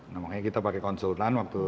nah makanya kita pakai konsultan waktu